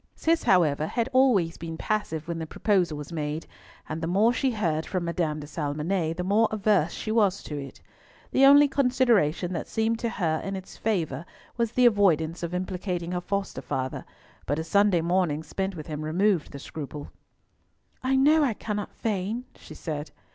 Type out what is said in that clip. Cis, however, had always been passive when the proposal was made, and the more she heard from Madame de Salmonnet, the more averse she was to it. The only consideration that seemed to her in its favour was the avoidance of implicating her foster father, but a Sunday morning spent with him removed the scruple. "I know I cannot feign," she said.